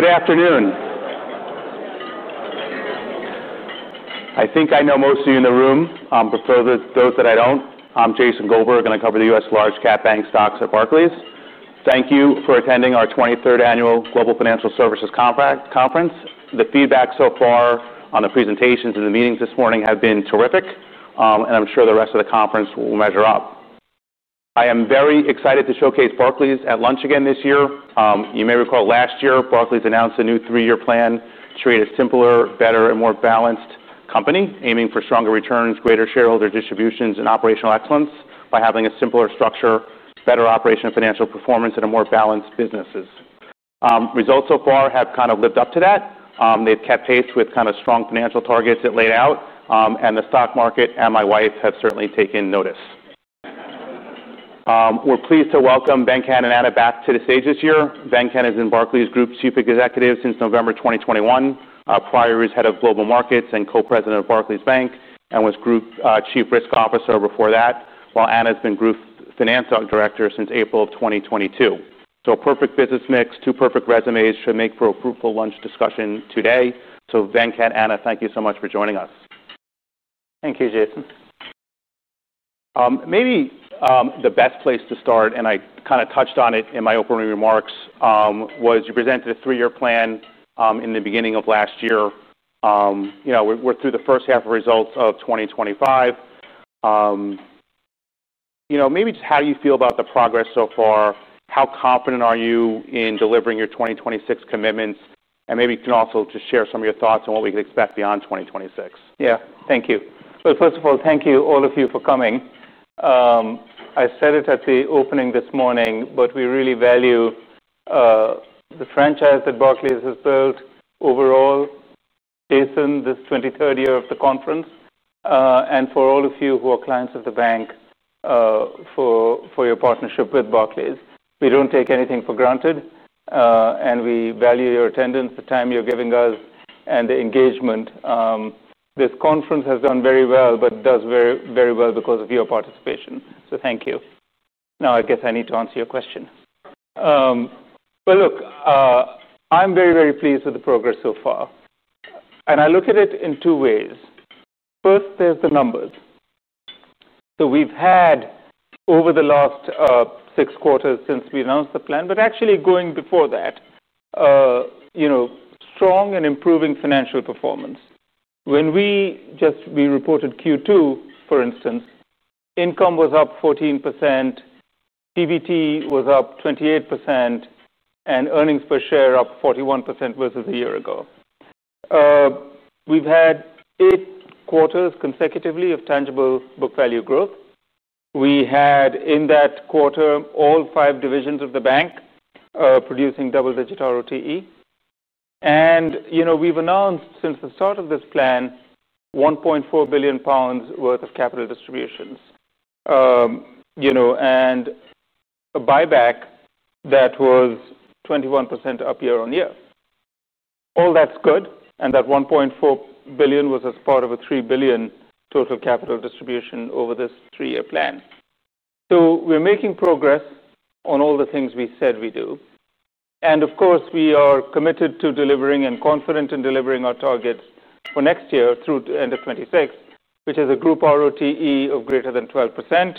Good afternoon. I think I know most of you in the room, but for those that I don't, I'm Jason Goldberg and I cover the U.S. large-cap bank stocks at Barclays. Thank you for attending our 23rd annual Global Financial Services Conference. The feedback so far on the presentations and the meetings this morning has been terrific, and I'm sure the rest of the conference will measure up. I am very excited to showcase Barclays at lunch again this year. You may recall last year Barclays announced a new three-year plan to create a simpler, better, and more balanced company, aiming for stronger returns, greater shareholder distributions, and operational excellence by having a simpler structure, better operational financial performance, and more balanced businesses. Results so far have kind of lived up to that. They've kept pace with kind of strong financial targets that laid out, and the stock market and my wife have certainly taken notice. We're pleased to welcome Venkat and Anna back to the stage this year. Venkat has been Barclays' Group Chief Executive since November 2021. Prior he was Head of Global Markets and Co-President of Barclays Bank and was Group Chief Risk Officer before that, while Anna has been Group Finance Director since April 2022. A perfect business mix, two perfect resumes to make for a fruitful lunch discussion today. So, Venkat, Anna, thank you so much for joining us. Thank you, Jason. Maybe the best place to start, and I kind of touched on it in my opening remarks, was you presented a three-year plan in the beginning of last year. We're through the first half of results of 2025. Maybe just how do you feel about the progress so far? How confident are you in delivering your 2026 commitments? Maybe you can also just share some of your thoughts on what we could expect beyond 2026. Thank you. First of all, thank you all of you for coming. I said it at the opening this morning, but we really value the franchise that Barclays has built overall, Jason, this 23rd year of the conference. For all of you who are clients of the bank, for your partnership with Barclays, we don't take anything for granted, and we value your attendance, the time you're giving us, and the engagement. This conference has done very well because of your participation. Thank you. I need to answer your question. I'm very, very pleased with the progress so far. I look at it in two ways. First, there's the numbers. We've had, over the last six quarters, since we announced the plan, but actually going before that, strong and improving financial performance. When we just reported Q2, for instance, income was up 14%, PBT was up 28%, and earnings per share up 41% versus a year ago. We've had eight quarters consecutively of tangible book value growth. In that quarter, all five divisions of the bank produced double-digit RoTE. We've announced since the start of this plan, 1.4 billion pounds worth of capital distributions, and a buyback that was 21% up year-on-year. All that's good, and that 1.4 billion was as part of a 3 billion total capital distribution over this three-year plan. We're making progress on all the things we said we'd do. Of course, we are committed to delivering and confident in delivering our targets for next year through the end of 2026, which is a group RoTE of greater than 12%,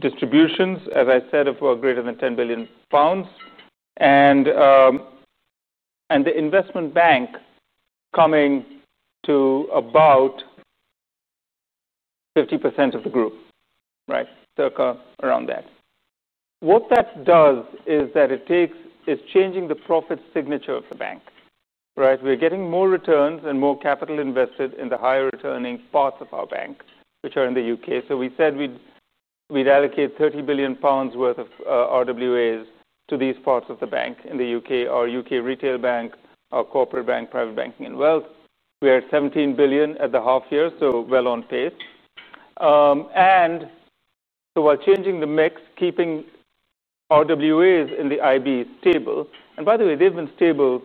distributions, as I said, of greater than 10 billion pounds, and the investment bank coming to about 50% of the group, right, circa around that. What that does is that it takes, it's changing the profit signature of the bank, right? We're getting more returns and more capital invested in the higher-returning parts of our bank, which are in the U.K. We said we'd allocate 30 billion pounds worth of RWAs to these parts of the bank in the U.K., our U.K. retail bank, our corporate bank, private banking, and wealth. We're at 17 billion at the half year, so well on pace. While changing the mix, keeping RWAs in the IB table, and by the way, they've been stable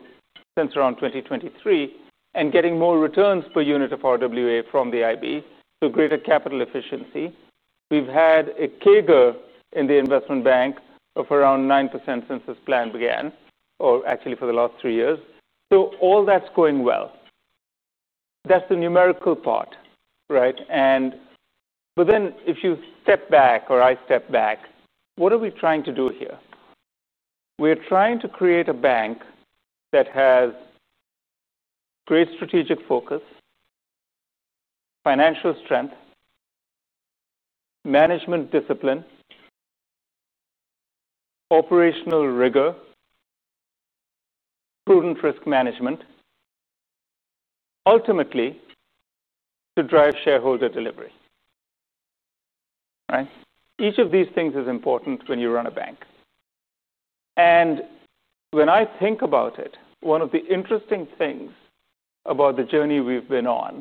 since around 2023, and getting more returns per unit of RWA from the IB, so greater capital efficiency, we've had a CAGR in the investment bank of around 9% since this plan began, or actually for the last three years. All that's going well. That's the numerical part, right? If you step back, or I step back, what are we trying to do here? We're trying to create a bank that has great strategic focus, financial strength, management disciplines, operational rigor, prudent risk management, ultimately to drive shareholder delivery. Each of these things is important when you run a bank. When I think about it, one of the interesting things about the journey we've been on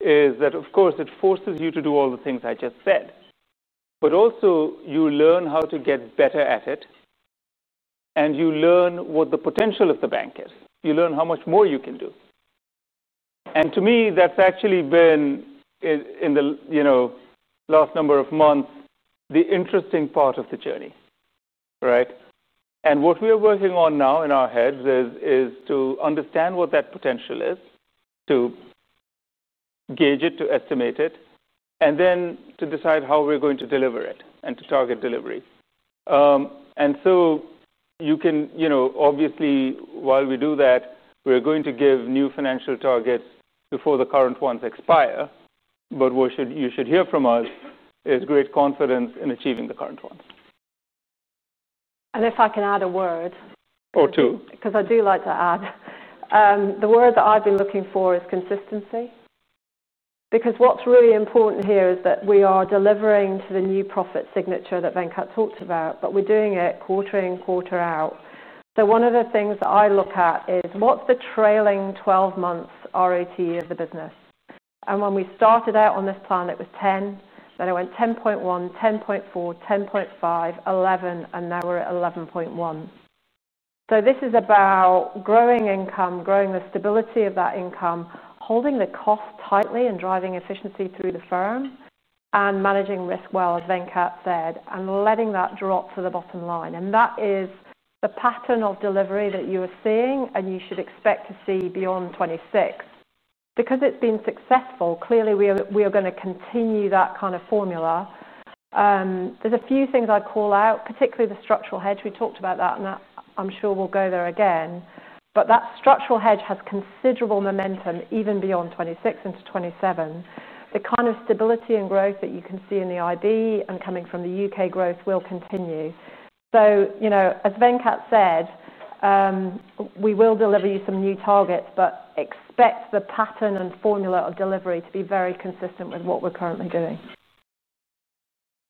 is that, of course, it forces you to do all the things I just said, but also you learn how to get better at it, and you learn what the potential of the bank is. You learn how much more you can do. To me, that's actually been, in the last number of months, the interesting part of the journey, right? What we're working on now in our heads is to understand what that potential is, to gauge it, to estimate it, and then to decide how we're going to deliver it and to target delivery. You can, you know, obviously, while we do that, we're going to give new financial targets before the current ones expire, but what you should hear from us is great confidence in achieving the current ones. If I can add a word. Or, two. Because I do like to add, the word that I've been looking for is consistency. What's really important here is that we are delivering to the new profit signature that Venkat talked about, but we're doing it quarter in, quarter out. One of the things that I look at is what's the trailing 12 months RoTE of the business. When we started out on this plan, it was 10, then it went 10.1, 10.4, 10.5, 11, and now we're at 11.1. This is about growing income, growing the stability of that income, holding the cost tightly and driving efficiency through the firm, and managing risk well, as Venkat said, and letting that drop to the bottom line. That is the pattern of delivery that you are seeing, and you should expect to see beyond 2026. It's been successful, clearly we are going to continue that kind of formula. There are a few things I'd call out, particularly the structural hedge. We talked about that, and I'm sure we'll go there again. That structural hedge has considerable momentum even beyond 2026 into 2027. The kind of stability and growth that you can see in the IB and coming from the U.K. growth will continue. As Venkat said, we will deliver you some new targets, but expect the pattern and formula of delivery to be very consistent with what we're currently doing.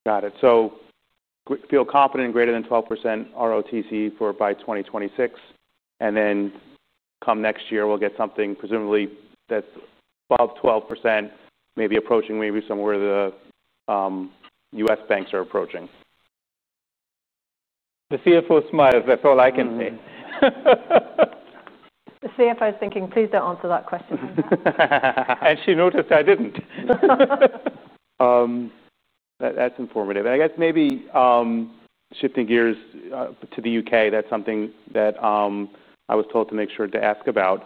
Got it. Feel confident in greater than 12% RoTE for by 2026, and then come next year, we'll get something presumably that's above 12%, maybe approaching maybe somewhere the U.S. banks are approaching. The CFO smiles. That's all I can see. The CFO is thinking, please don't answer that question. As she noticed, I didn't. That's informative. I guess maybe shifting gears to the U.K., that's something that I was told to make sure to ask about.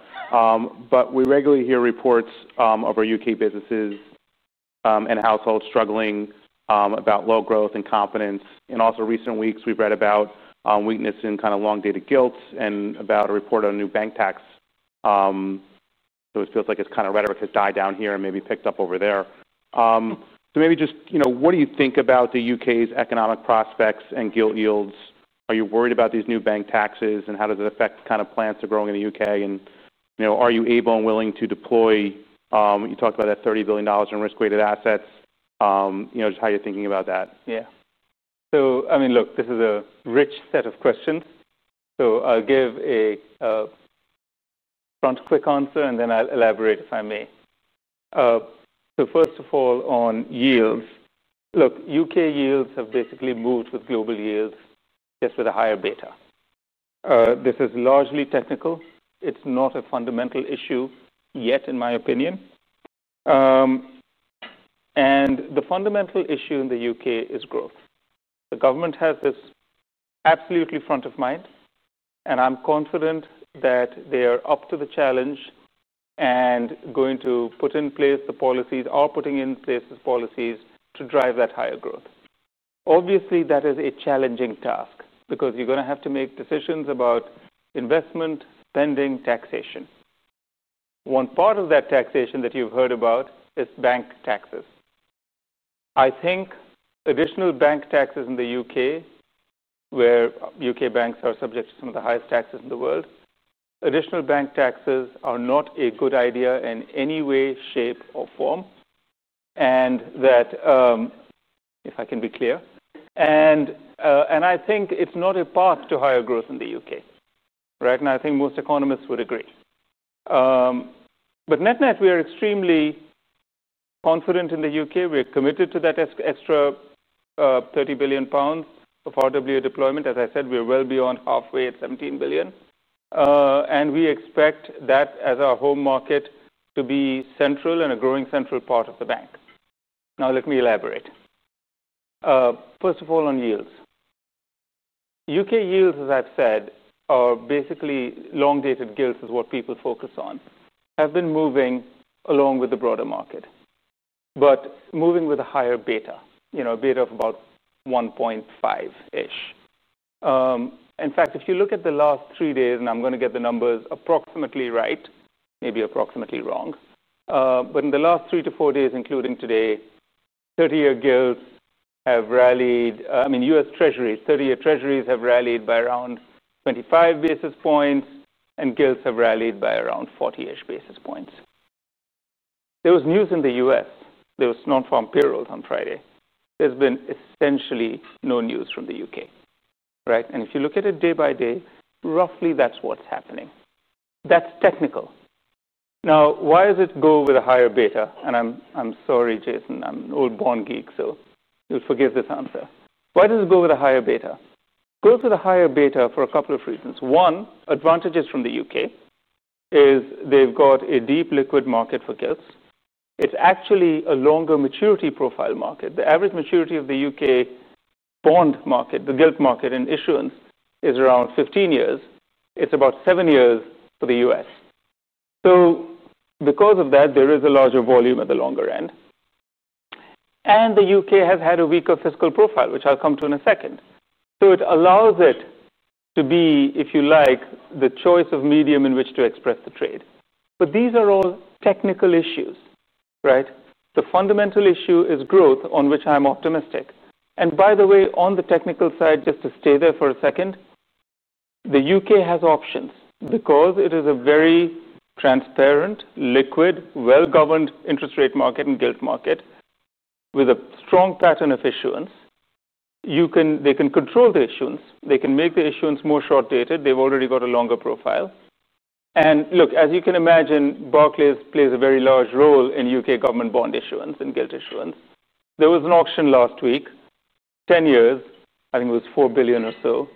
We regularly hear reports of our U.K. businesses and households struggling about low growth and confidence. In also recent weeks, we've read about weakness in kind of long-dated gilts and about a report on new bank tax. It feels like it's kind of rhetoric has died down here and maybe picked up over there. Maybe just, you know, what do you think about the U.K.'s economic prospects and gilt yields? Are you worried about these new bank taxes and how does it affect the kind of plans that are growing in the U.K.? You know, are you able and willing to deploy? You talked about that $30 billion in risk-weighted assets. Just how you're thinking about that. Yeah. This is a rich set of questions. I'll give a front-quick answer and then I'll elaborate if I may. First of all, on yields, U.K. yields have basically moved with global yields just with a higher beta. This is largely technical. It's not a fundamental issue yet, in my opinion. The fundamental issue in the U.K. is growth. The government has this absolutely front of mind, and I'm confident that they are up to the challenge and going to put in place the policies or putting in place the policies to drive that higher growth. Obviously, that is a challenging task because you're going to have to make decisions about investment, spending, taxation. One part of that taxation that you've heard about is bank taxes. I think additional bank taxes in the U.K., where U.K. banks are subject to some of the highest taxes in the world, additional bank taxes are not a good idea in any way, shape, or form. If I can be clear, I think it's not a path to higher growth in the U.K. Right now, I think most economists would agree. Net-net, we are extremely confident in the U.K. We are committed to that extra 30 billion pounds of RWA deployment. As I said, we're well beyond halfway at 17 billion. We expect that as our home market to be central and a growing central part of the bank. Now, let me elaborate. First of all, on yields. U.K. yields, as I've said, are basically long-dated gilts is what people focus on, have been moving along with the broader market, but moving with a higher beta, a beta of about 1.5-ish. In fact, if you look at the last three days, and I'm going to get the numbers approximately right, maybe approximately wrong, but in the last three to four days, including today, 30-year gilts have rallied, I mean, U.S. Treasuries, 30-year Treasuries have rallied by around 25 basis points, and gilts have rallied by around 40-ish basis points. There was news in the U.S. There was snort from payrolls on Friday. There's been essentially no news from the U.K. If you look at it day by day, roughly that's what's happening. That's technical. Now, why does it go with a higher beta? I'm sorry, Jason, I'm an old bond geek, so you'll forgive this answer. Why does it go with a higher beta? Goes with a higher beta for a couple of reasons. One, advantages from the U.K. is they've got a deep liquid market for gilts. It's actually a longer maturity profile market. The average maturity of the U.K. bond market, the gilt market in issuance, is around 15 years. It's about seven years for the U.S. Because of that, there is a larger volume at the longer end. The U.K. has had a weaker fiscal profile, which I'll come to in a second. It allows it to be, if you like, the choice of medium in which to express the trade. These are all technical issues, right? The fundamental issue is growth, on which I'm optimistic. By the way, on the technical side, just to stay there for a second, the U.K. has options because it is a very transparent, liquid, well-governed interest rate market and gilt market with a strong pattern of issuance. They can control the issuance. They can make the issuance more short-dated. They've already got a longer profile. As you can imagine, Barclays plays a very large role in U.K. government bond issuance and gilt issuance. There was an auction last week, 10 years, I think it was 4 billion or so,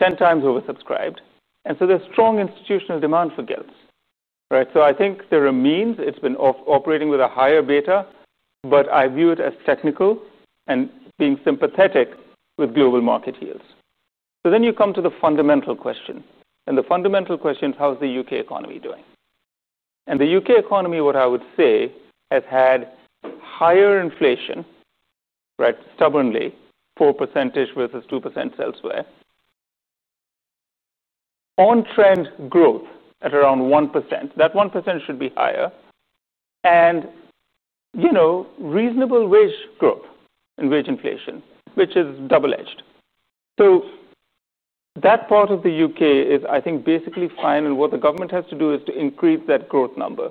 10 times oversubscribed. There is strong institutional demand for gilts, right? I think there are means. It's been operating with a higher beta, but I view it as technical and being sympathetic with global market yields. You come to the fundamental question. The fundamental question is, how's the U.K. economy doing? The U.K. economy, what I would say, has had higher inflation, right, stubbornly, 4%-ish versus 2% elsewhere, on-trend growth at around 1%. That 1% should be higher. Reasonable wage growth and wage inflation, which is double-edged. That part of the U.K. is, I think, basically fine. What the government has to do is to increase that growth number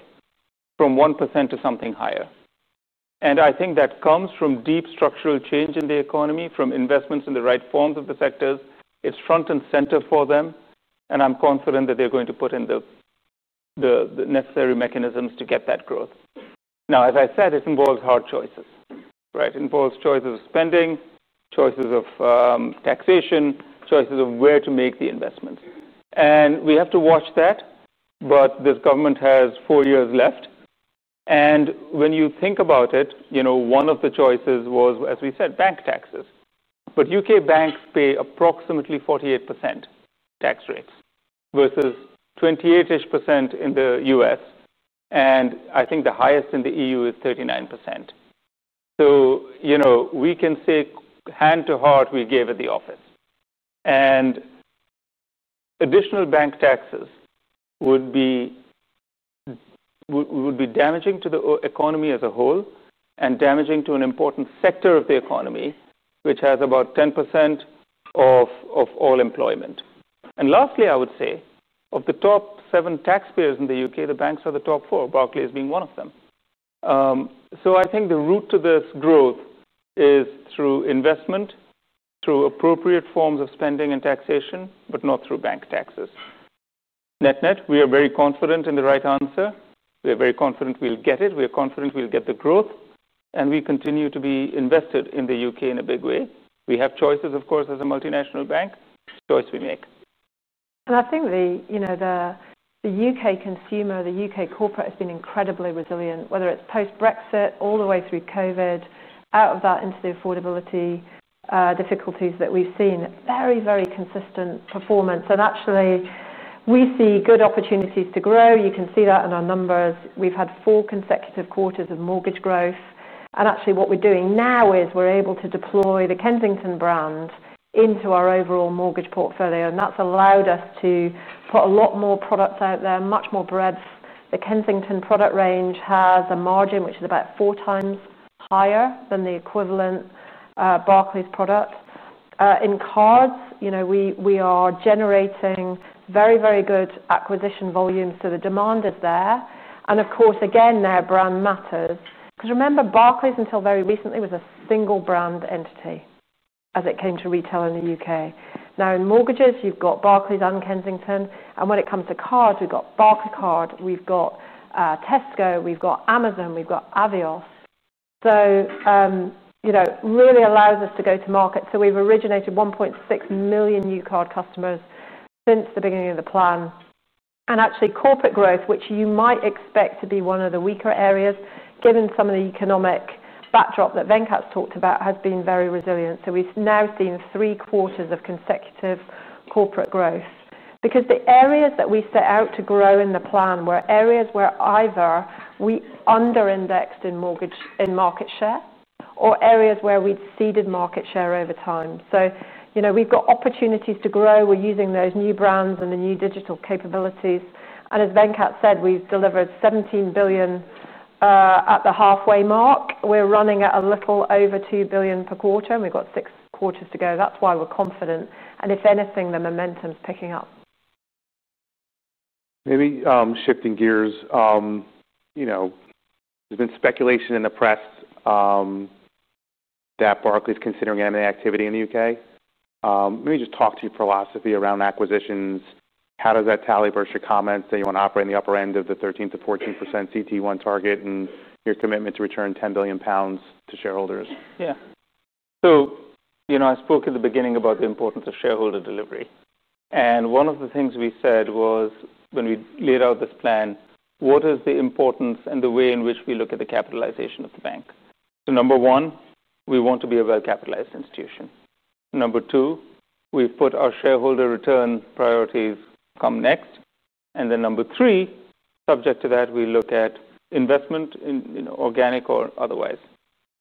from 1% to something higher. I think that comes from deep structural change in the economy, from investments in the right forms of the sectors. It's front and center for them. I'm confident that they're going to put in the necessary mechanisms to get that growth. As I said, it involves hard choices, right? It involves choices of spending, choices of taxation, choices of where to make the investments. We have to watch that. This government has four years left. When you think about it, one of the choices was, as we said, bank taxes. U.K. banks pay approximately 48% tax rates versus 28%-ish in the U.S. I think the highest in the EU is 39%. We can say hand to heart we gave it the offense. Additional bank taxes would be damaging to the economy as a whole and damaging to an important sector of the economy, which has about 10% of all employment. Lastly, I would say, of the top seven taxpayers in the U.K., the banks are the top four, Barclays being one of them. I think the route to this growth is through investment, through appropriate forms of spending and taxation, but not through bank taxes. Net-net, we are very confident in the right answer. We are very confident we'll get it. We are confident we'll get the growth, and we continue to be invested in the U.K. in a big way. We have choices, of course, as a multinational bank. Choice we make. I think the U.K. consumer, the U.K. corporate has been incredibly resilient, whether it's post-Brexit, all the way through COVID, out of that into the affordability difficulties that we've seen, very, very consistent performance. Actually, we see good opportunities to grow. You can see that in our numbers. We've had four consecutive quarters of mortgage growth. What we're doing now is we're able to deploy the Kensington brand into our overall mortgage portfolio, and that's allowed us to put a lot more products out there, much more breadth. The Kensington product range has a margin which is about four times higher than the equivalent Barclays product. In cards, we are generating very, very good acquisition volumes, so the demand is there. Of course, again, their brand matters. Because remember, Barclays until very recently was a single brand entity as it came to retail in the U.K. Now in mortgages, you've got Barclays and Kensington. When it comes to cards, we've got Barclaycard, we've got Tesco, we've got Amazon, we've got Avios. It really allows us to go to market. We've originated 1.6 million new card customers since the beginning of the plan. Actually, corporate growth, which you might expect to be one of the weaker areas, given some of the economic backdrop that Venkat's talked about, has been very resilient. We've now seen three quarters of consecutive corporate growth because the areas that we set out to grow in the plan were areas where either we under-indexed in mortgage in market share or areas where we'd ceded market share over time. We've got opportunities to grow. We're using those new brands and the new digital capabilities. As Venkat said, we've delivered 17 billion at the halfway mark. We're running at a little over 2 billion per quarter, and we've got six quarters to go. That's why we're confident. If anything, the momentum's picking up. Maybe shifting gears, you know, there's been speculation in the press that Barclays is considering M&A activity in the U.K. Maybe just talk to your philosophy around acquisitions. How does that tally versus your comments that you want to operate in the upper end of the 13-14% CET1 target and your commitment to return 10 billion pounds to shareholders? Yeah. I spoke at the beginning about the importance of shareholder delivery. One of the things we said was when we laid out this plan, what is the importance and the way in which we look at the capitalization of the bank? Number one, we want to be a well-capitalized institution. Number two, we put our shareholder return priorities next. Number three, subject to that, we look at investment in organic or otherwise.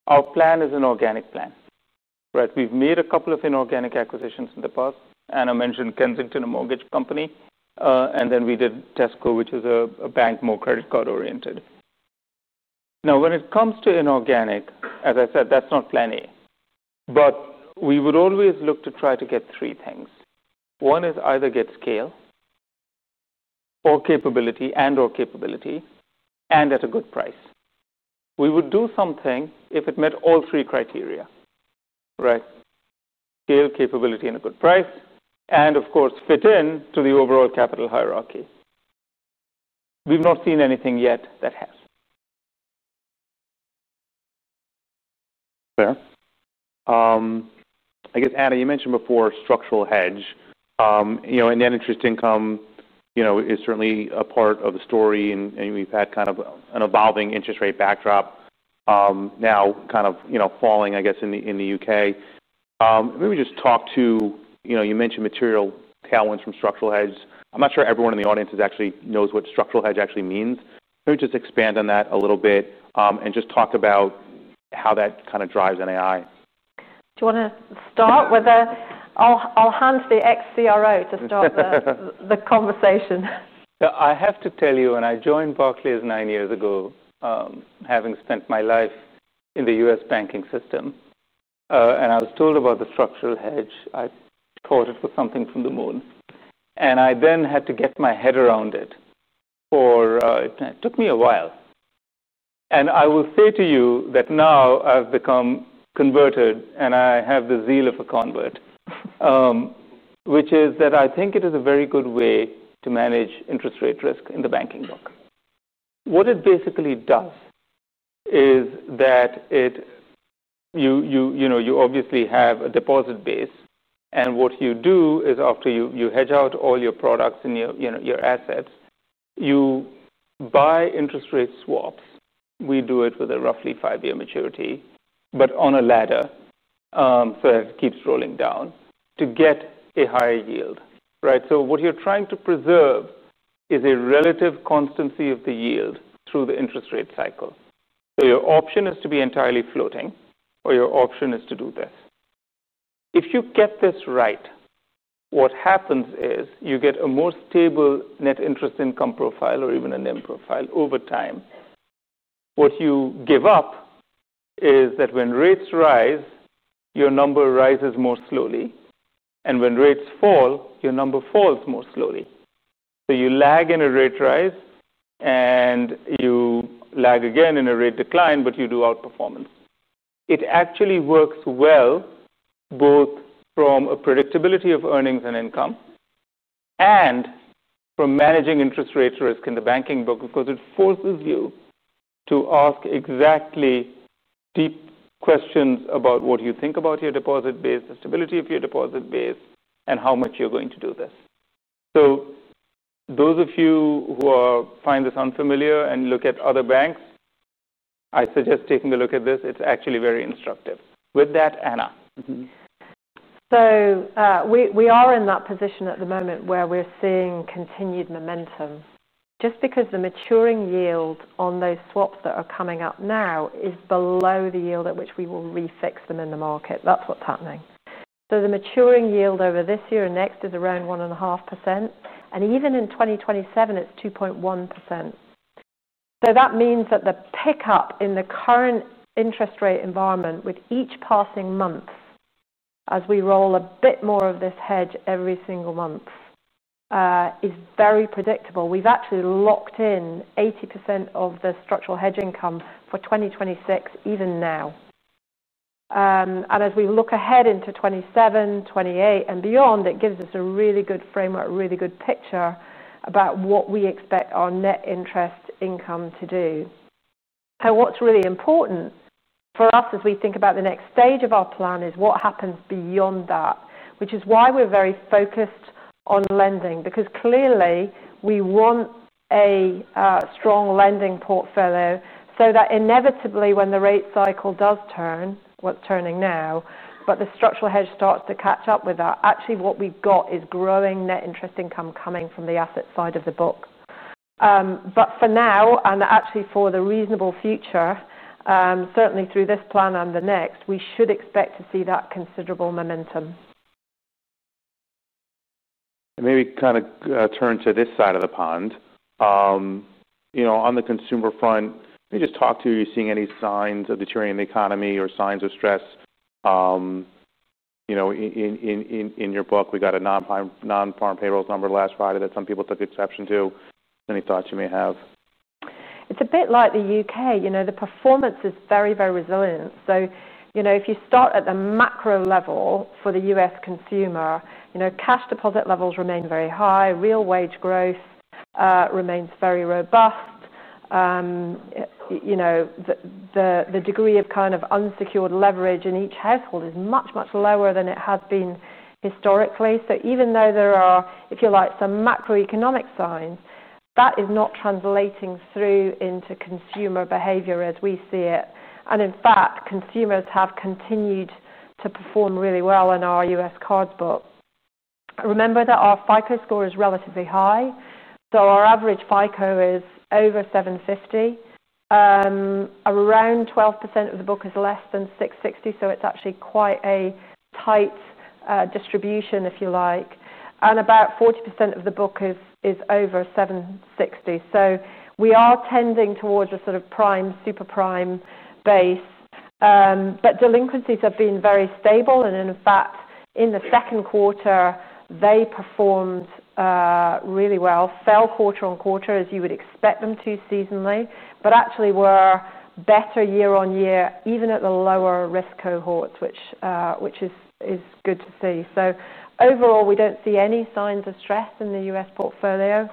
Our plan is an organic plan, right? We've made a couple of inorganic acquisitions in the past. Anna mentioned Kensington, a mortgage company. We did Tesco, which is a bank more credit card-oriented. When it comes to inorganic, as I said, that's not plan A. We would always look to try to get three things. One is either get scale or capability and/or capability and at a good price. We would do something if it met all three criteria, right? Scale, capability, and a good price. Of course, fit in to the overall capital hierarchy. We've not seen anything yet that has. Fair. I guess, Anna, you mentioned before structural hedge. In the uninterested income, it is certainly a part of the story. We've had kind of an evolving interest rate backdrop now, kind of falling, I guess, in the U.K. Maybe just talk to, you mentioned material tailwinds from structural hedge. I'm not sure everyone in the audience actually knows what structural hedge actually means. Maybe just expand on that a little bit and just talk about how that kind of drives NAI. Do you want to start with a, I'll hand to the ex-CRO to start the conversation. I have to tell you, I joined Barclays nine years ago, having spent my life in the U.S. banking system. I was told about the structural hedge. I thought it was something from the moon. I then had to get my head around it. It took me a while. And I will say to you that now I've become converted and I have the zeal of a convert, which is that I think it is a very good way to manage interest rate risk in the banking book. What it basically does is that you obviously have a deposit base. What you do is after you hedge out all your products and your assets, you buy interest rate swaps. We do it with a roughly five-year maturity, but on a ladder. It keeps rolling down to get a higher yield, right? What you're trying to preserve is a relative constancy of the yield through the interest rate cycle. Your option is to be entirely floating or your option is to do this. If you get this right, what happens is you get a more stable net interest income profile or even a NIM profile over time. What you give up is that when rates rise, your number rises more slowly, and when rates fall, your number falls more slowly. You lag in a rate rise and you lag again in a rate decline, but you do outperformance. It actually works well both from a predictability of earnings and income and from managing interest rate risk in the banking book because it forces you to ask exactly deep questions about what you think about your deposit base, the stability of your deposit base, and how much you're going to do this. Those of you who find this unfamiliar and look at other banks, I suggest taking a look at this. It's actually very instructive. With that, Anna. We are in that position at the moment where we're seeing continued momentum. Just because the maturing yield on those swaps that are coming up now is below the yield at which we will refix them in the market, that's what's happening. The maturing yield over this year and next is around 1.5%. Even in 2027, it's 2.1%. That means that the pickup in the current interest rate environment with each passing month, as we roll a bit more of this hedge every single month, is very predictable. We've actually locked in 80% of the structural hedge income for 2026, even now. As we look ahead into 2027, 2028, and beyond, it gives us a really good framework, a really good picture about what we expect our net interest income to do. What's really important for us as we think about the next stage of our plan is what happens beyond that, which is why we're very focused on lending. Clearly, we want a strong lending portfolio so that inevitably when the rate cycle does turn, it's turning now, but the structural hedge starts to catch up with that. Actually, what we've got is growing net interest income coming from the asset side of the book. For now, and actually for the reasonable future, certainly through this plan and the next, we should expect to see that considerable momentum. Maybe kind of turn to this side of the pond. You know, on the consumer front, maybe just talk to you if you're seeing any signs of deteriorating the economy or signs of stress. You know, in your book, we got a non-farm payrolls number last Friday that some people took exception to. Any thoughts you may have? It's a bit like the U.K., you know, the performance is very, very resilient. If you start at the macro level for the U.S. consumer, cash deposit levels remain very high. Real wage growth remains very robust. The degree of kind of unsecured leverage in each household is much, much lower than it has been historically. Even though there are, if you like, some macroeconomic signs, that is not translating through into consumer behavior as we see it. In fact, consumers have continued to perform really well in our U.S. cards book. Remember that our FICO score is relatively high. Our average FICO is over 750. Around 12% of the book is less than 660. It's actually quite a tight distribution, if you like. About 40% of the book is over 760. We are tending towards a sort of prime, super prime base. Delinquencies have been very stable. In the second quarter, they performed really well, fell quarter on quarter, as you would expect them to seasonally, and actually were better year-on-year, even at the lower risk cohorts, which is good to see. Overall, we don't see any signs of stress in the U.S. portfolio.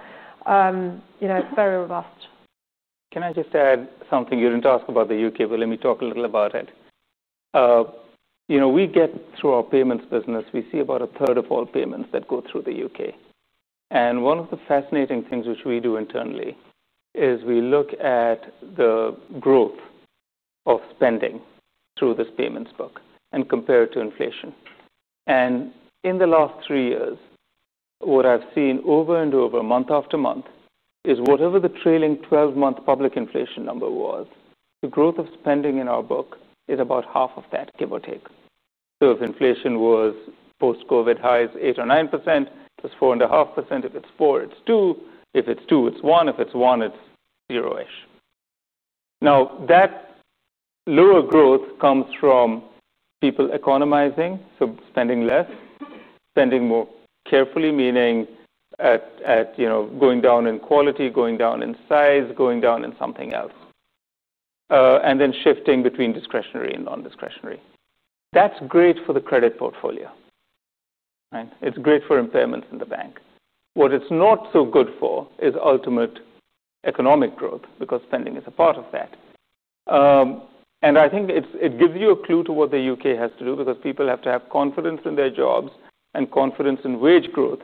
Very robust. Can I just add something? You didn't ask about the U.K., but let me talk a little about it. We get through our payments business. We see about a third of all payments that go through the U.K. One of the fascinating things which we do internally is we look at the growth of spending through this payments book and compare it to inflation. In the last three years, what I've seen over and over, month after month, is whatever the trailing 12-month public inflation number was, the growth of spending in our book is about half of that, give or take. If inflation was post-COVID highs, 8% or 9%, it was 4.5%. If it's 4%, it's 2%. If it's 2%, it's 1%. If it's 1%, it's 0%-ish. That lower growth comes from people economizing, spending less, spending more carefully, meaning going down in quality, going down in size, going down in something else, and then shifting between discretionary and non-discretionary. That's great for the credit portfolio. It's great for employments in the banks. What it's not so good for is ultimate economic growth because spending is a part of that. I think it gives you a clue to what the U.K. has to do because people have to have confidence in their jobs and confidence in wage growth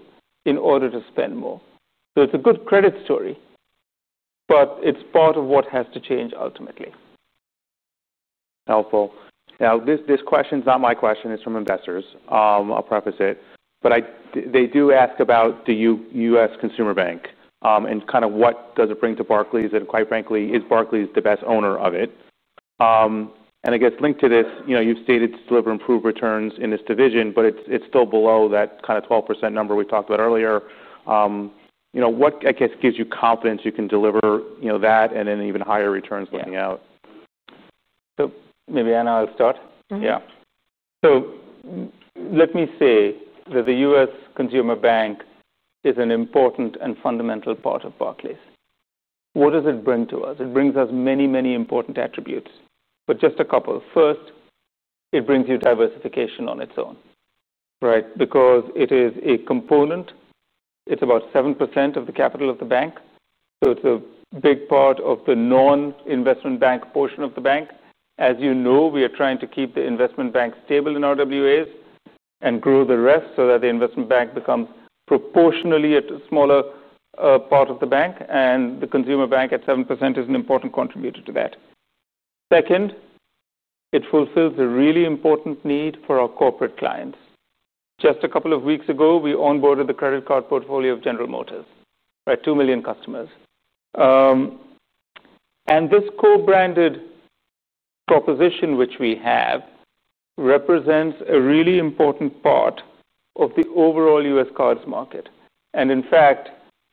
in order to spend more. It's a good credit story, but it's part of what has to change ultimately. Helpful. This question is not my question. It's from investors. I'll preface it. They do ask about the U.S. Consumer bank and kind of what does it bring to Barclays? Quite frankly, is Barclays the best owner of it? I guess linked to this, you've stated to deliver improved returns in this division, but it's still below that kind of 12% number we talked about earlier. What gives you confidence you can deliver that and then even higher returns looking out? Maybe Anna will start. Yeah. Let me say that the U.S. Consumer bank is an important and fundamental part of Barclays. What does it bring to us? It brings us many, many important attributes, but just a couple. First, it brings you diversification on its own, right? Because it is a component. It's about 7% of the capital of the bank. It's a big part of the non-investment bank portion of the bank. As you know, we are trying to keep the investment bank stable in RWAs and grow the rest so that the investment bank becomes proportionally a smaller part of the bank. The consumer bank at 7% is an important contributor to that. Second, it fulfills a really important need for our corporate clients. Just a couple of weeks ago, we onboarded the credit card portfolio of General Motors, right? 2 million customers. This co-branded proposition which we have represents a really important part of the overall U.S. cards market. In fact,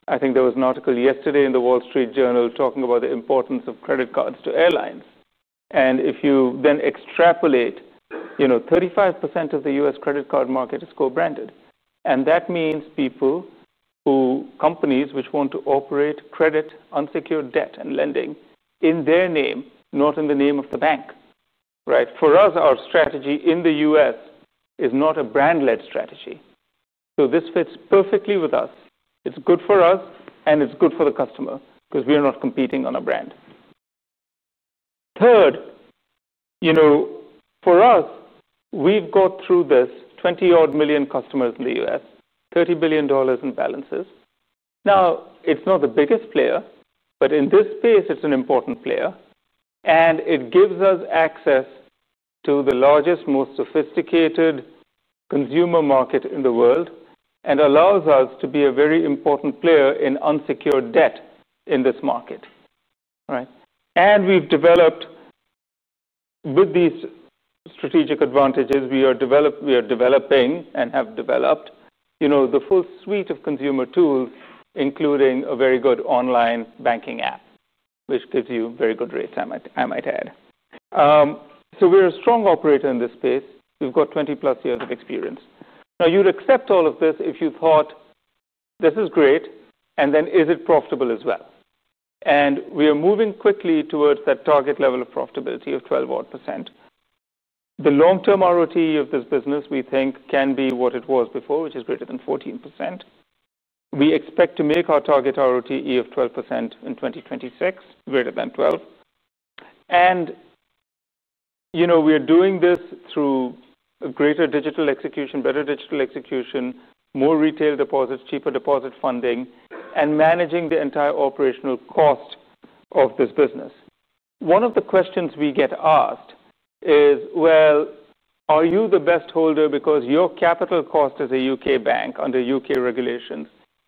I think there was an article yesterday in the Wall Street Journal talking about the importance of credit cards to airlines. If you then extrapolate, 35% of the U.S. credit card market is co-branded. That means companies which want to operate credit, unsecured debt, and lending in their name, not in the name of the bank, right? For us, our strategy in the U.S. is not a brand-led strategy. This fits perfectly with us. It's good for us, and it's good for the customer because we are not competing on a brand. Third, for us, we've got through this 20-odd million customers in the U.S., $30 billion in balances. It's not the biggest player, but in this space, it's an important player. It gives us access to the largest, most sophisticated consumer market in the world and allows us to be a very important player in unsecured debt in this market, right? We've developed, with these strategic advantages, we are developing and have developed the full suite of consumer tools, including a very good online banking app, which gives you very good rates, I might add. We're a strong operator in this space. We've got 20+ years of experience. You'd accept all of this if you thought this is great, and then is it profitable as well? We are moving quickly towards that target level of profitability of 12% odd. The long-term RoTE of this business, we think, can be what it was before, which is greater than 14%. We expect to make our target RoTE of 12% in 2026, greater than 12%. We are doing this through greater digital execution, better digital execution, more retail deposits, cheaper deposit funding, and managing the entire operational cost of this business. One of the questions we get asked is, are you the best holder because your capital cost as a U.K. bank under U.K. regulations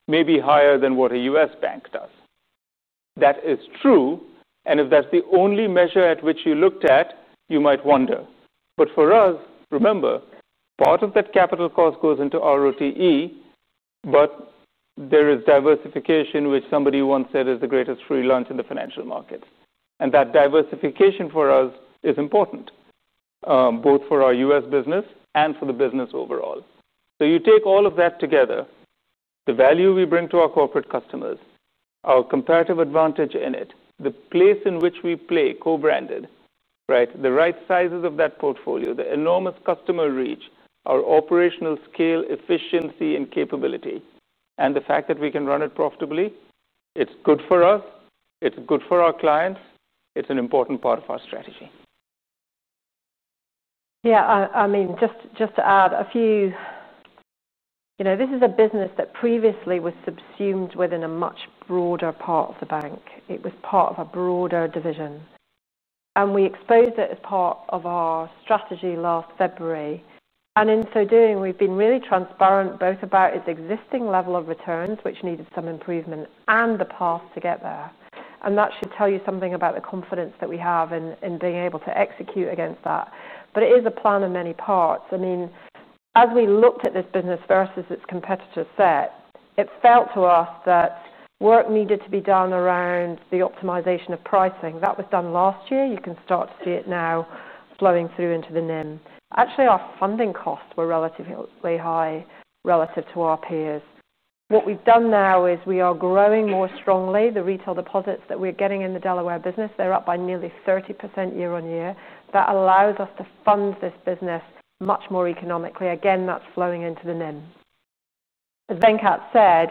may be higher than what a U.S. bank does? That is true. If that's the only measure at which you looked at, you might wonder. For us, remember, part of that capital cost goes into RoTE, but there is diversification, which somebody once said is the greatest free lunch in the financial markets. That diversification for us is important, both for our U.S. business and for the business overall. You take all of that together, the value we bring to our corporate customers, our comparative advantage in it, the place in which we play co-branded, the right sizes of that portfolio, the enormous customer reach, our operational scale, efficiency, and capability, and the fact that we can run it profitably, it's good for us, it's good for our clients, it's an important part of our strategy. Yeah, I mean, just to add a few, this is a business that previously was subsumed within a much broader part of the bank. It was part of a broader division. We exposed it as part of our strategy last February. In so doing, we've been really transparent both about its existing level of returns, which needed some improvement, and the paths together. That should tell you something about the confidence that we have in being able to execute against that. It is a plan in many parts. As we looked at this business versus its competitor set, it felt to us that work needed to be done around the optimization of pricing. That was done last year. You can start to see it now flowing through into the NIM. Actually, our funding costs were relatively high relative to our peers. What we've done now is we are growing more strongly. The retail deposits that we're getting in the Delaware business, they're up by nearly 30% year-on-year. That allows us to fund this business much more economically. Again, that's flowing into the NIM. As Venkat said,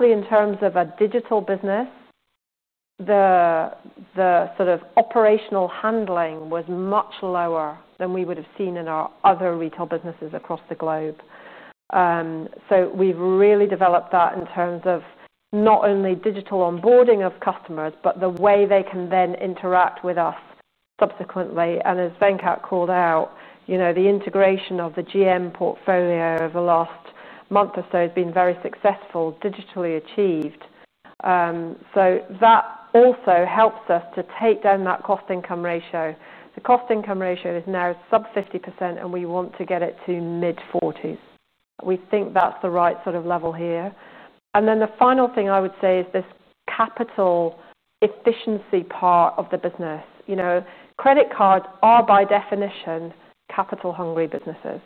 in terms of a digital business, the sort of operational handling was much lower than we would have seen in our other retail businesses across the globe. We've really developed that in terms of not only digital onboarding of customers, but the way they can then interact with us subsequently. As Venkat called out, the integration of the GM credit card portfolio over the last month or so has been very successful, digitally achieved. That also helps us to take down that cost-income ratio. The cost-income ratio is now sub 50%, and we want to get it to mid-40%. We think that's the right sort of level here. The final thing I would say is this capital efficiency part of the business. Credit cards are by definition capital-hungry businesses.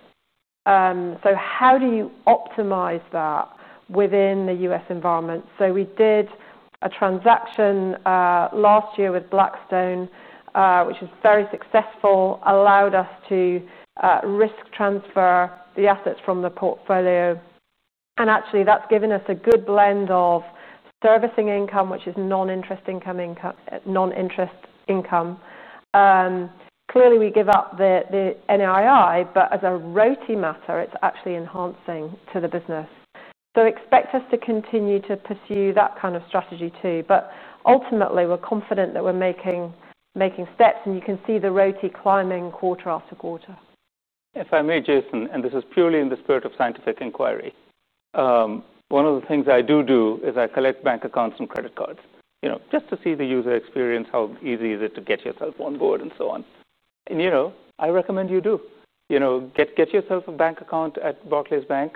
How do you optimize that within the U.S. environment? We did a transaction last year with Blackstone, which was very successful, allowed us to risk transfer the assets from the portfolio. Actually, that's given us a good blend of servicing income, which is non-interest income. Clearly, we give up the NII, but as a royalty matter, it's actually enhancing to the business. Expect us to continue to pursue that kind of strategy too. Ultimately, we're confident that we're making steps, and you can see the royalty climbing quarter after quarter. If I may, Jason, and this is purely in the spirit of scientific inquiry, one of the things I do is I collect bank accounts and credit cards just to see the user experience, how easy it is to get yourself on board and so on. I recommend you do. Get yourself a bank account at Barclays Bank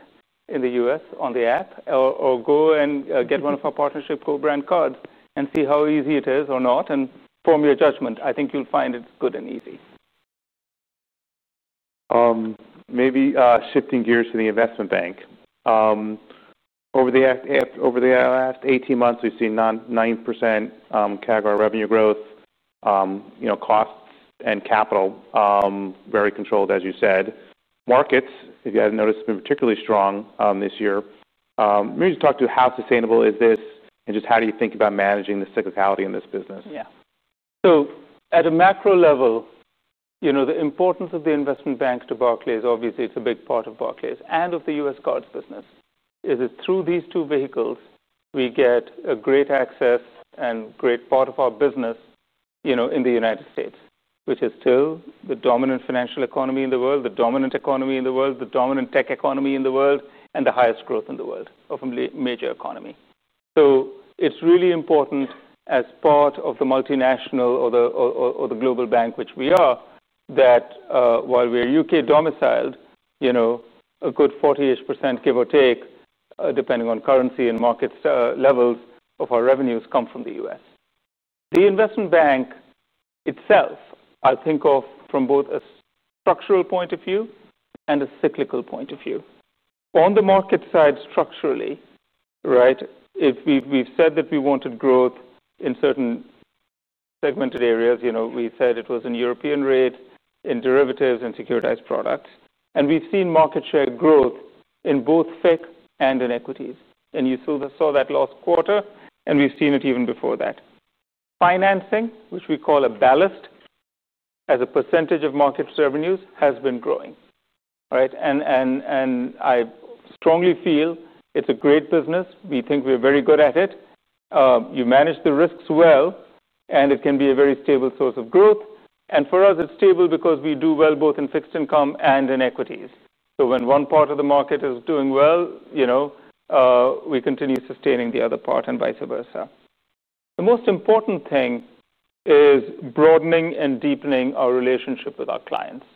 in the U.S. on the app, or go and get one of our partnership co-brand cards and see how easy it is or not and form your judgment. I think you'll find it's good and easy. Maybe shifting gears to the investment bank. Over the last 18 months, we've seen 9% CAGR revenue growth, you know, cost and capital very controlled, as you said. Markets, if you hadn't noticed, have been particularly strong this year. Maybe you talk to how sustainable is this and just how do you think about managing the cyclicality in this business. Yeah. At a macro level, you know, the importance of the investment banks to Barclays, obviously, it's a big part of Barclays and of the U.S. cards business, is that through these two vehicles, we get great access and a great part of our business, you know, in the United States, which is still the dominant financial economy in the world, the dominant economy in the world, the dominant tech economy in the world, and the highest growth in the world of a major economy. It's really important as part of the multinational or the global bank, which we are, that while we're U.K domiciled, you know, a good 40% ish, give or take, depending on currency and market levels, of our revenues come from the U.S. The investment bank itself, I think of from both a structural point of view and a cyclical point of view. On the market side, structurally, right, if we've said that we wanted growth in certain segmented areas, you know, we said it was in European rate, in derivatives, and securitized products. We've seen market share growth in both FICC and in equities. You saw that last quarter, and we've seen it even before that. Financing, which we call a ballast, as a percentage of market revenues, has been growing. I strongly feel it's a great business. We think we're very good at it. You manage the risks well, and it can be a very stable source of growth. For us, it's stable because we do well both in fixed income and in equities. When one part of the market is doing well, you know, we continue sustaining the other part and vice versa. The most important thing is broadening and deepening our relationship with our clients.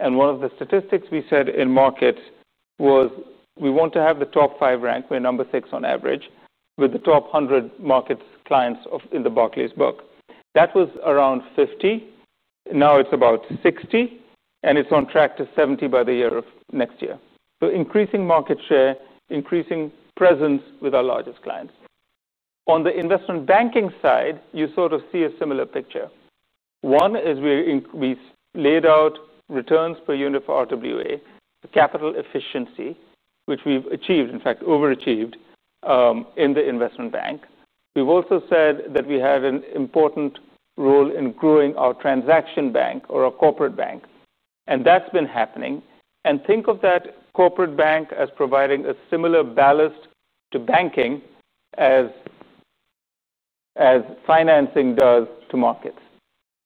One of the statistics we said in markets was we want to have the top five rank. We're number six on average with the top 100 markets clients in the Barclays book. That was around 50. Now it's about 60, and it's on track to 70 by the year of next year. Increasing market share, increasing presence with our largest clients. On the investment banking side, you sort of see a similar picture. One is we laid out returns per unit for RWA, the capital efficiency, which we've achieved, in fact, overachieved in the investment bank. We've also said that we had an important role in growing our transaction bank or our corporate bank. That's been happening. Think of that corporate bank as providing a similar ballast to banking as financing does to markets.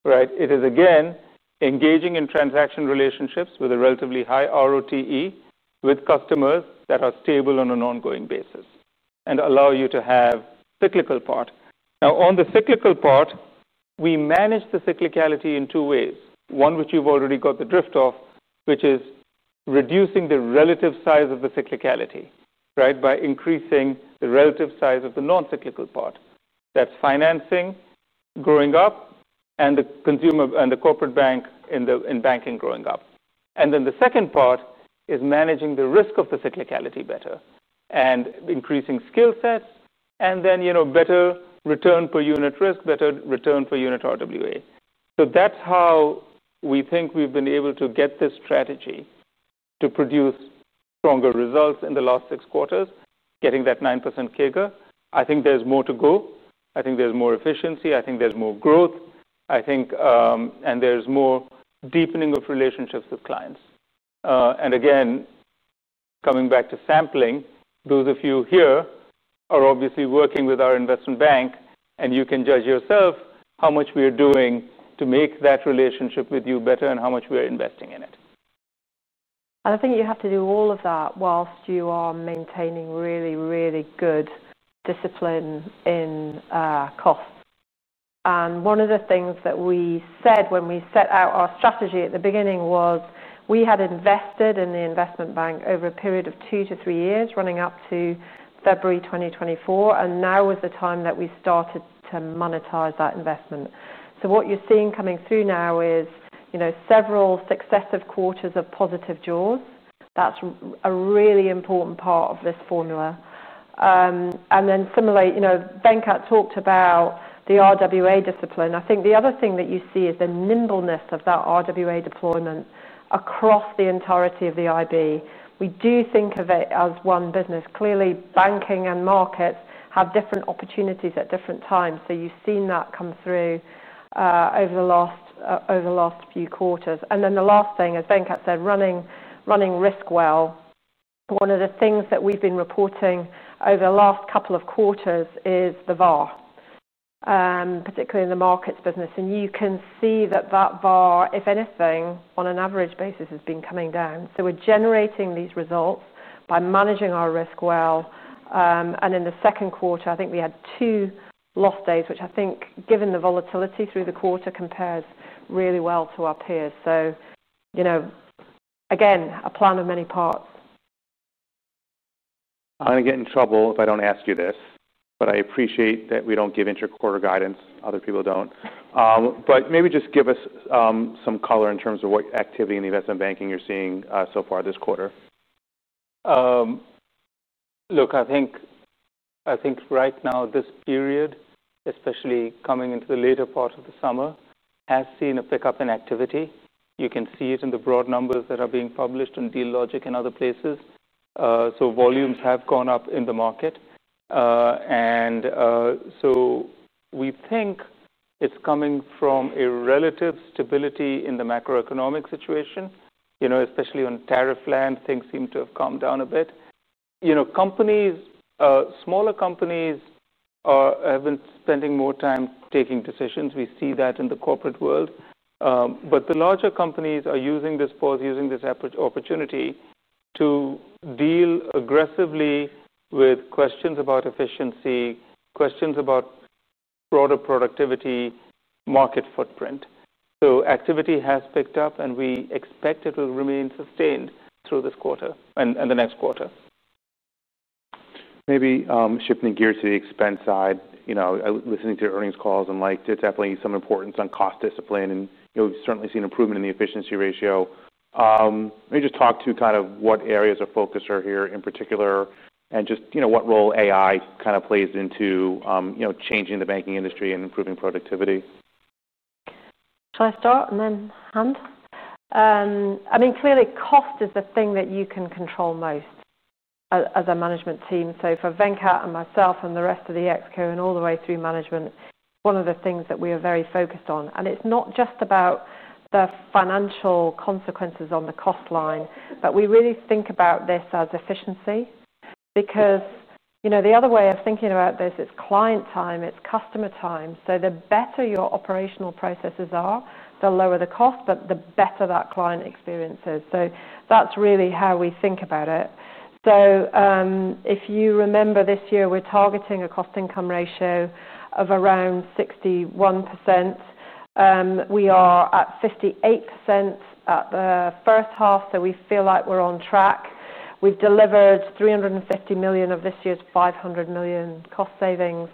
Right? It is, again, engaging in transaction relationships with a relatively high RoTE with customers that are stable on an ongoing basis and allow you to have a cyclical part. Now, on the cyclical part, we manage the cyclicality in two ways. One, which you've already got the drift of, is reducing the relative size of the cyclicality, right, by increasing the relative size of the non-cyclical part. That's financing growing up and the corporate bank in banking growing up. The second part is managing the risk of the cyclicality better and increasing skill sets and, you know, better return per unit risk, better return per unit RWA. That's how we think we've been able to get this strategy to produce stronger results in the last six quarters, getting that 9% CAGR. I think there's more to go. I think there's more efficiency. I think there's more growth, and there's more deepening of relationships with clients. Again, coming back to sampling, those of you here are obviously working with our investment bank, and you can judge yourself how much we are doing to make that relationship with you better and how much we are investing in it. I think you have to do all of that whilst you are maintaining really, really good discipline in costs. One of the things that we said when we set out our strategy at the beginning was we had invested in the investment bank over a period of 2-3 years running up to February 2024, and now was the time that we started to monetize that investment. What you're seeing coming through now is several successive quarters of positive drawn. That's a really important part of this formula. Similarly, Venkat talked about the RWA discipline. I think the other thing that you see is the nimbleness of that RWA deployment across the entirety of the IB. We do think of it as one business. Clearly, banking and markets have different opportunities at different times. You've seen that come through over the last few quarters. The last thing, as Venkat said, running risk well, one of the things that we've been reporting over the last couple of quarters is the VAR, particularly in the markets business. You can see that that VAR, if anything, on an average basis, has been coming down. We're generating these results by managing our risk well. In the second quarter, I think we had two loss days, which I think, given the volatility through the quarter, compares really well to our peers. Again, a plan of many parts. I'm going to get in trouble if I don't ask you this, but I appreciate that we don't give interquarter guidance. Other people don't. Maybe just give us some color in terms of what activity in the investment banking you're seeing so far this quarter. Look, I think right now, this period, especially coming into the later part of the summer, has seen a pickup in activity. You can see it in the broad numbers that are being published in Dealogic and other places. Volumes have gone up in the market. We think it's coming from a relative stability in the macroeconomic situation. Especially on tariff land, things seem to have calmed down a bit. Companies, smaller companies have been spending more time taking decisions. We see that in the corporate world. The larger companies are using this pause, using this opportunity to deal aggressively with questions about efficiency, questions about broader productivity, market footprint. Activity has picked up, and we expect it will remain sustained through this quarter and the next quarters. Maybe shifting gears to the expense side, listening to earnings calls, there's definitely some importance on cost discipline, and we've certainly seen improvement in the efficiency ratio. Maybe just talk to what areas of focus are here in particular, and what role AI plays in changing the banking industry and improving productivity. Shall I start and then hand? Clearly, cost is the thing that you can control most as a management team. For Venkat and myself and the rest of the ExCo and all the way through management, one of the things that we are very focused on, and it's not just about the financial consequences on the cost line, we really think about this as efficiency. You know, the other way of thinking about this is client time, it's customer time. The better your operational processes are, the lower the cost, but the better that client experience is. That's really how we think about it. If you remember this year, we're targeting a cost-income ratio of around 61%. We are at 58% at the first half, so we feel like we're on track. We've delivered 350 million of this year's 500 million cost savings.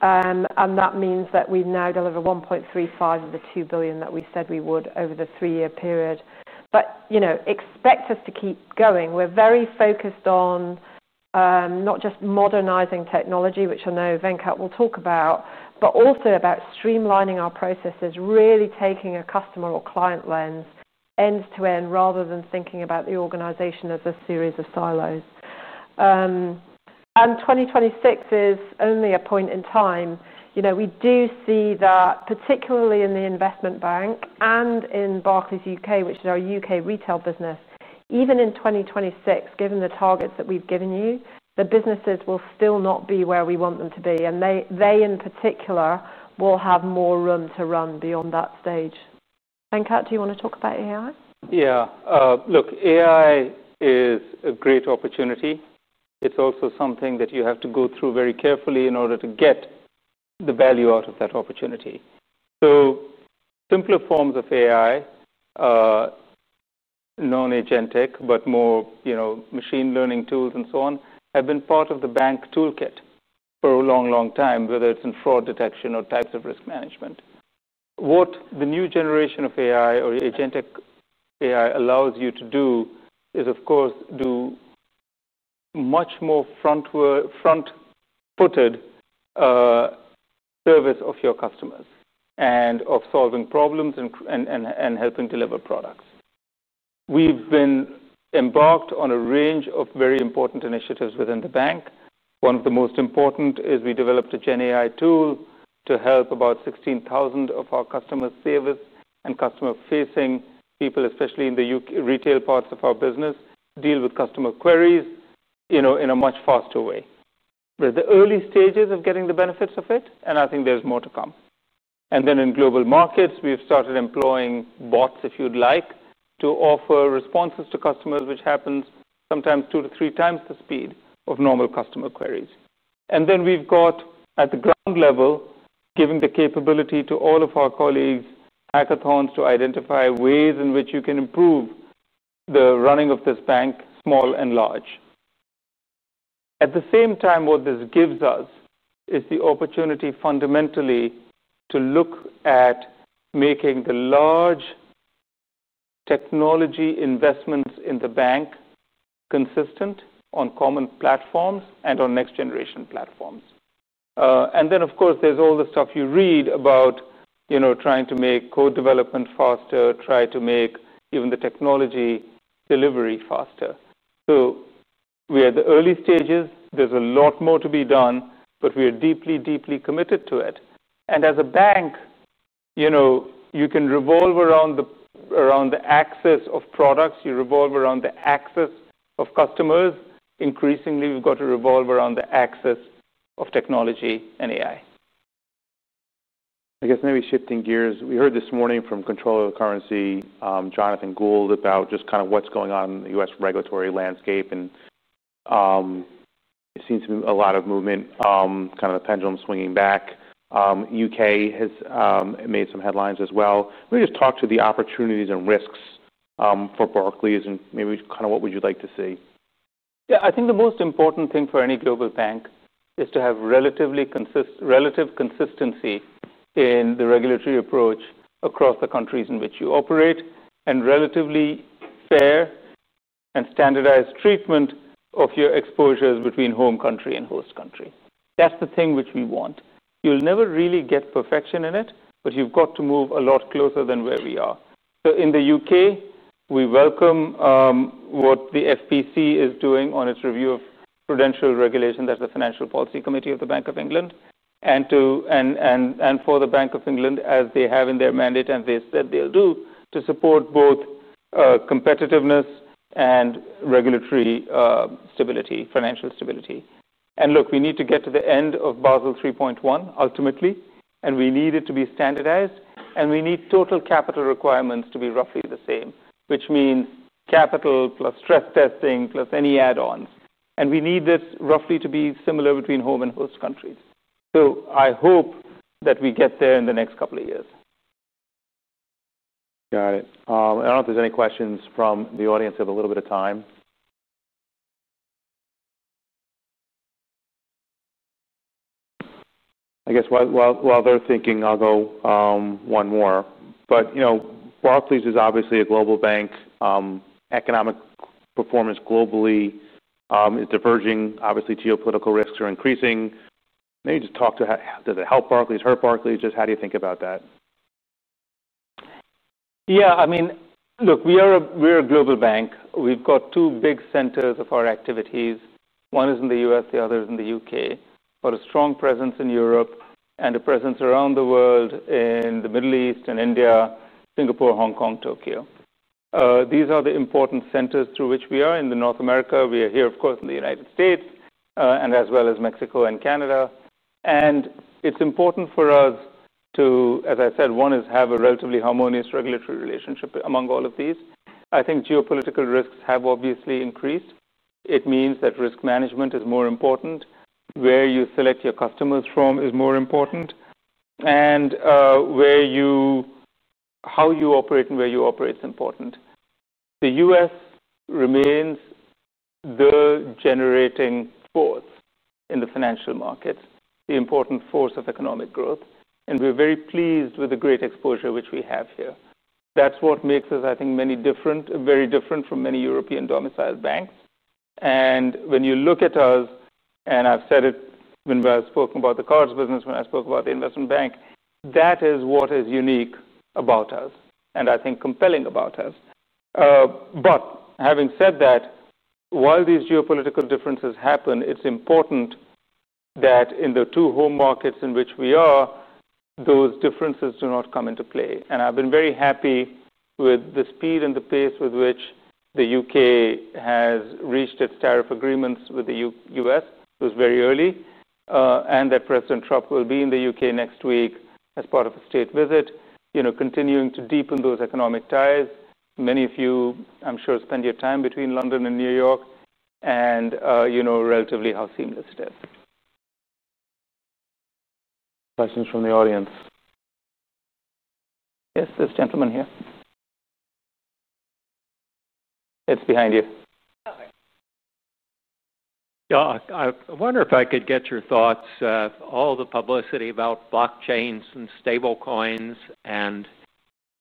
That means that we've now delivered 1.35 billion of the 2 billion that we said we would over the three-year period. Expect us to keep going. We're very focused on not just modernizing technology, which I know Venkat will talk about, but also about streamlining our processes, really taking a customer or client lens end-to-end rather than thinking about the organization as a series of silos. 2026 is only a point in time. We do see that particularly in the investment bank and in Barclays U.K., which is our U..K. retail business, even in 2026, given the targets that we've given you, the businesses will still not be where we want them to be. They, in particular, will have more room to run beyond that stage. Venkat, do you want to talk about AI? Yeah. Look, AI is a great opportunity. It's also something that you have to go through very carefully in order to get the value out of that opportunity. Simpler forms of AI, non-agentic, but more, you know, machine learning tools and so on, have been part of the bank toolkit for a long, long time, whether it's in fraud detection or types of risk management. What the new generation of AI or agentic AI allows you to do is, of course, do much more front-footed service of your customers and of solving problems and helping deliver products. We've been embarked on a range of very important initiatives within the bank. One of the most important is we developed a GenAI tool to help about 16,000 of our customer service and customer-facing people, especially in the retail parts of our business, deal with customer queries, you know, in a much faster way. We're in the early stages of getting the benefits of it, and I think there's more to come. In global markets, we've started employing bots, if you'd like, to offer responses to customers, which happens sometimes 2-3x the speed of normal customer queries. We've got, at the ground level, giving the capability to all of our colleagues, hackathons to identify ways in which you can improve the running of this bank, small and large. At the same time, what this gives us is the opportunity fundamentally to look at making the large technology investments in the bank consistent on common platforms and on next-generation platforms. Of course, there's all the stuff you read about, you know, trying to make code development faster, trying to make even the technology delivery faster. We are at the early stages. There's a lot more to be done, but we are deeply, deeply committed to it. As a bank, you know, you can revolve around the axis of products, you revolve around the axis of customers. Increasingly, we've got to revolve around the axis of technology and AI. I guess maybe shifting gears, we heard this morning from Comptroller of the Currency, Jonathan Gould, about just kind of what's going on in the U.S. regulatory landscape. It seems to be a lot of movement, kind of the pendulum swinging back. The U.K. has made some headlines as well. Maybe just talk to the opportunities and risks for Barclays and maybe kind of what would you like to see. Yeah, I think the most important thing for any global bank is to have relative consistency in the regulatory approach across the countries in which you operate and relatively fair and standardized treatment of your exposures between home country and host country. That's the thing which we want. You'll never really get perfection in it, but you've got to move a lot closer than where we are. In the U.K., we welcome what the FPC is doing on its review of prudential regulation. That's the Financial Policy Committee of the Bank of England. For the Bank of England, as they have in their mandate and they said they'll do, to support both competitiveness and regulatory stability, financial stability. We need to get to the end of Basel 3.1 ultimately, and we need it to be standardized, and we need total capital requirements to be roughly the same, which means capital plus stress testing plus any add-ons. We need this roughly to be similar between home and host countries. I hope that we get there in the next couple of years. Got it. I don't know if there's any questions from the audience. We have a little bit of time. I guess while they're thinking, I'll go one more. Barclays is obviously a global bank. Economic performance globally is diverging. Geopolitical risks are increasing. Maybe just talk to, does it help Barclays? Hurt Barclays? Just how do you think about that? Yeah, I mean, look, we are a global bank. We've got two big centers of our activities. One is in the U.S., the other is in the U.K. We've got a strong presence in Europe and a presence around the world in the Middle East and India, Singapore, Hong Kong, Tokyo. These are the important centers through which we are. In North America, we are here, of course, in the United States, as well as Mexico and Canada. It's important for us to, as I said, one is have a relatively harmonious regulatory relationship among all of these. I think geopolitical risks have obviously increased. It means that risk management is more important. Where you select your customers from is more important. How you operate and where you operate is important. The U.S. remains the generating force in the financial markets, the important force of economic growth. We're very pleased with the great exposure which we have here. That's what makes us, I think, very different from many European domiciled banks. When you look at us, and I've said it when I spoke about the cards business, when I spoke about the investment bank, that is what is unique about us and I think compelling about us. Having said that, while these geopolitical differences happen, it's important that in the two home markets in which we are, those differences do not come into play. I've been very happy with the speed and the pace with which the U.K. has reached its tariff agreements with the U.S. It was very early. That President Trump will be in the U.K. next week as part of a state visit, you know, continuing to deepen those economic ties. Many of you, I'm sure, spend your time between London and New York and, you know, relatively how seamless it is. Questions from the audience? Yes, this gentleman here. It's behind you. Yeah, I wonder if I could get your thoughts. All the publicity about blockchains and stable coins and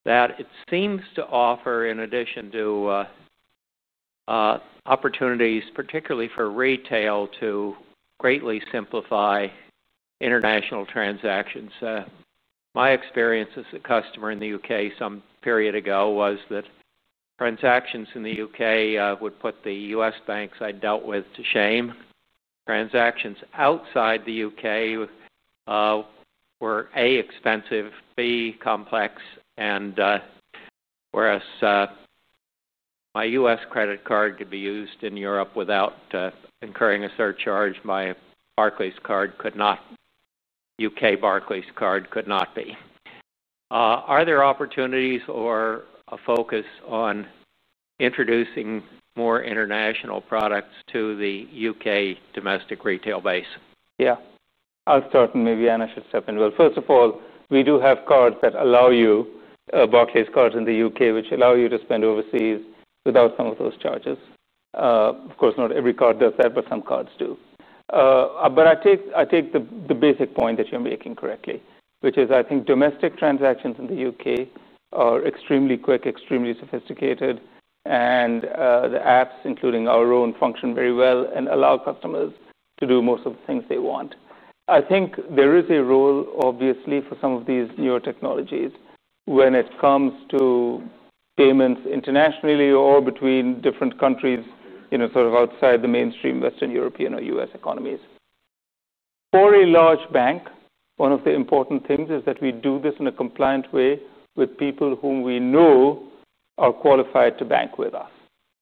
that it seems to offer, in addition to opportunities, particularly for retail, to greatly simplify international transactions. My experience as a customer in the U.K. some period ago was that transactions in the U.K. would put the U.S. banks I dealt with to shame. Transactions outside the U.K. were, A, expensive, B, complex, and whereas my U.S. credit card could be used in Europe without incurring a surcharge, my Barclays card could not, U.K. Barclays card could not be. Are there opportunities or a focus on introducing more international products to the U.K. domestic retail base? I'll start and maybe Anna should step in. First of all, we do have cards that allow you, Barclays cards in the U.K., which allow you to spend overseas without some of those charges. Of course, not every card does that, but some cards do. I take the basic point that you're making correctly, which is I think domestic transactions in the U.K. are extremely quick, extremely sophisticated, and the apps, including our own, function very well and allow customers to do most of the things they want. I think there is a role, obviously, for some of these newer technologies when it comes to payments internationally or between different countries, you know, sort of outside the mainstream Western European or U.S. economies. For a large bank, one of the important things is that we do this in a compliant way with people whom we know are qualified to bank with us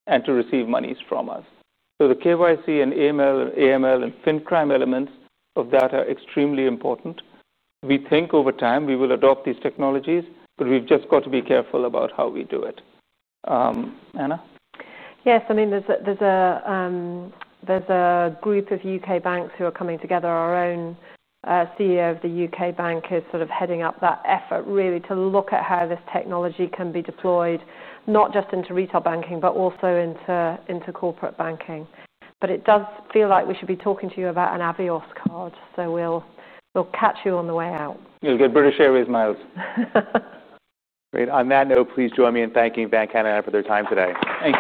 and to receive monies from us. The KYC and AML and FinCrime elements of that are extremely important. We think over time we will adopt these technologies, but we've just got to be careful about how we do it. Anna? Yes, I mean, there's a group of U.K. banks who are coming together. Our own CEO of the U.K. bank is sort of heading up that effort, really to look at how this technology can be deployed, not just into retail banking, but also into corporate banking. It does feel like we should be talking to you about an Avios card, so we'll catch you on the way out. You'll get British Airways miles. Great. On that note, please join me in thanking Venkat and Anna for their time today. Thank you.